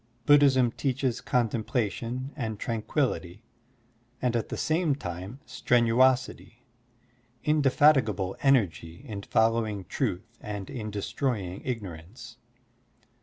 Buddhism teaches contemplation and tran quillity and at the same time strenuosity, inde fatigable energy in following truth and in destroying ignorance.